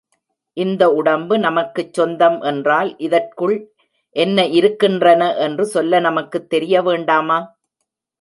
இந்த உடம்பு நமக்குச் சொந்தம் என்றால் இதற்குள் என்ன இருக்கின்றன என்று சொல்ல நமக்குத் தெரிய வேண்டாமா?